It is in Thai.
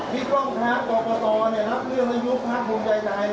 พี่ป้องพร้าวต่อเนี่ยรับเรื่องอายุภาพภูมิใจใจเลยนะ